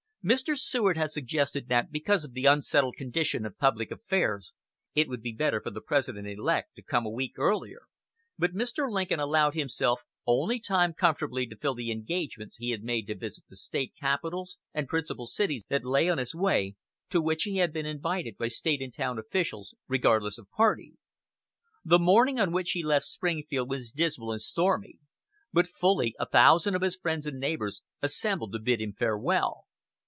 Mr. Seward had suggested that because of the unsettled condition of public affairs it would be better for the President elect to come a week earlier; but Mr. Lincoln allowed himself only time comfortably to fill the engagements he had made to visit the State capitals and principal cities that lay on his way, to which he had been invited by State and town officials, regardless of party. The morning on which he left Springfield was dismal and stormy, but fully a thousand of his friends and neighbors assembled to bid him farewell.